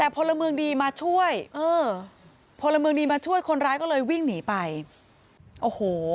เห็นไหมค่ะแต่พลเมืองดีมาช่วยคนร้ายก็เลยวิ่งหนีไปโอ้โฮ